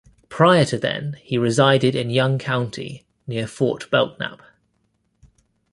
Prior to then, he resided in Young County near Fort Belknap.